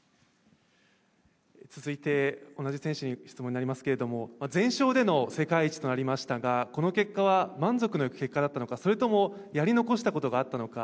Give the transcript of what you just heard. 続いて、同じ選手に質問になりますけれども、全勝での世界一となりましたが、この結果は、満足のいく結果だったのか、それともやり残したことがあったのか。